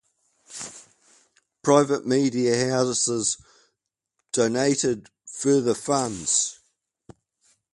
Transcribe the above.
Private media houses donated further funds.